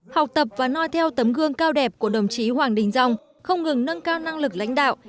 học tập và nói theo tấm gương cao đẹp của đồng chí hoàng đình dông không ngừng nâng cao năng lực lãnh đạo